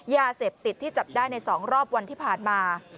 ยาเสพติดที่จับได้ใน๒รอบวันที่ผ่านมา